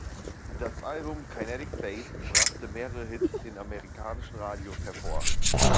Das Album "Kinetic Faith" brachte mehrere Hits in amerikanischen Radios hervor.